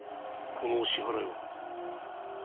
この支払いは。